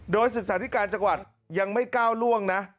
โดยศึกษาธิการจังหวัดยังไม่ก้าวล่วงนะ